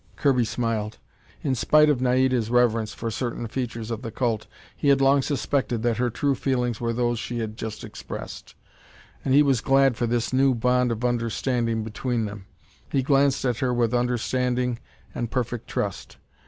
Kirby smiled. In spite of Naida's reverence for certain features of the cult, he had long suspected that her true feelings were those she had just expressed. And he was glad for this new bond of understanding between them. He glanced at her with understanding and perfect trust.